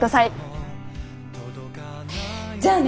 じゃあね！